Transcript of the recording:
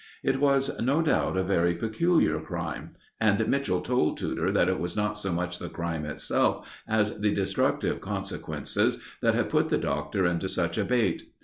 It was, no doubt, a very peculiar crime, and Mitchell told Tudor that it was not so much the crime itself as the destructive consequences, that had put the Doctor into such a bate.